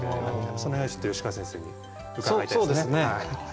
その辺はちょっと吉川先生に伺いたいですね。